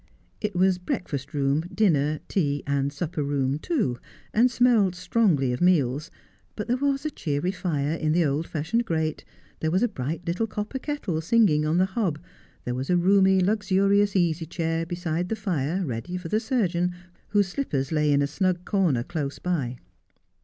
It was breakfast room, dinner, tea, and supper room too, and smelt strongly of meals ; but there was a cheery fire in the old fashioned grate, there was a bright little copper kettle singing on the hob, there was a roomy, luxurious easy chair beside the fire ready for the surgeon, whose slippers lay in a snug corner close by.